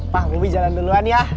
pak wibi jalan duluan ya